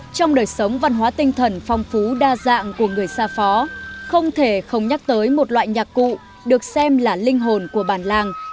trong đời sống văn hóa tinh thần phong phú đa dạng của người xa phó không thể không nhắc tới một loại nhạc cụ được xem là linh hồn của bản làng